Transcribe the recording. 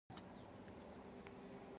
ښه شو چې تا د هغه سر مات نه کړ